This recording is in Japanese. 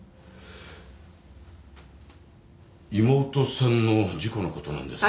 妹さんの事故のことなんですが。